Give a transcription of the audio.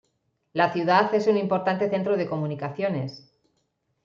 La ciudad es un importante centro de comunicaciones.